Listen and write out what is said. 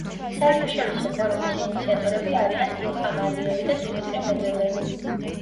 საერთაშორისო ფორუმის ინიციატორები არიან ილჰამ ალიევი და დიმიტრი მედვედევი.